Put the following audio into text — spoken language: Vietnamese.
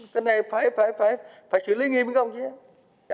cái này phải phải phải phải xử lý nghiêm không chứ